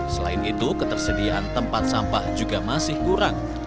selain itu ketersediaan tempat sampah juga masih kurang